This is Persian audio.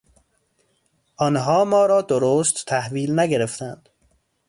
آنها ما را درست تحویل نگرفتند.